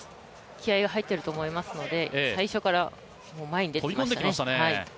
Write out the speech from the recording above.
気合いが入っていると思いますので、最初から飛び込んできましたね。